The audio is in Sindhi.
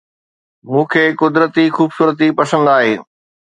مون کي قدرتي خوبصورتي پسند آهي